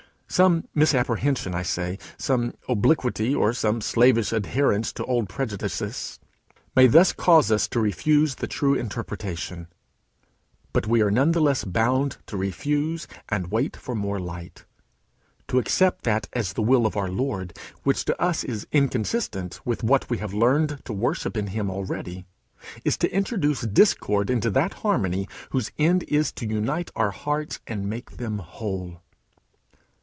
Some misapprehension, I say, some obliquity, or some slavish adherence to old prejudices, may thus cause us to refuse the true interpretation, but we are none the less bound to refuse and wait for more light. To accept that as the will of our Lord which to us is inconsistent with what we have learned to worship in him already, is to introduce discord into that harmony whose end is to unite our hearts, and make them whole.